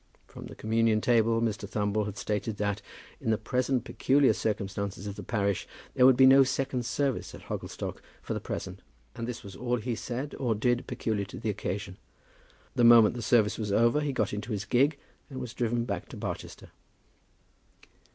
From the communion table Mr. Thumble had stated that, in the present peculiar circumstances of the parish, there would be no second service at Hogglestock for the present; and this was all he said or did peculiar to the occasion. The moment the service was over he got into his gig, and was driven back to Barchester.